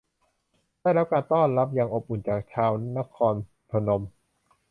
ได้รับการต้อนรับอย่างอบอุ่นจากชาวนครพนม